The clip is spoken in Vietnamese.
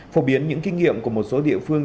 phổ biến những kinh nghiệm của một số địa phương